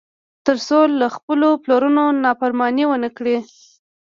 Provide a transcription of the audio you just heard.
تر څو له خپلو پلرونو نافرماني ونه کړي.